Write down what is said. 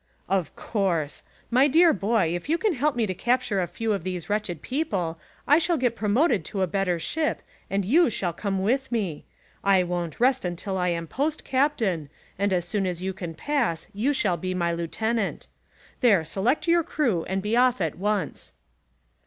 "Of course. My dear boy, if you can help me to capture a few of these wretched people, I shall get promoted to a better ship, and you shall come with me. I won't rest till I am post captain, and as soon as you can pass, you shall be my lieutenant. There, select your crew and be off at once."